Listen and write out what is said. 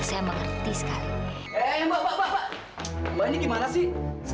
ayo keluar pak